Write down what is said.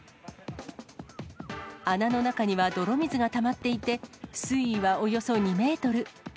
穴の中には泥水がたまっていて、水位はおよそ２メートル。